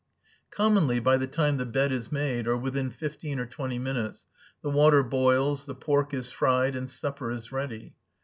Commonly, by the time the bed is made, or within fifteen or twenty minutes, the water boils, the pork is fried, and supper is ready.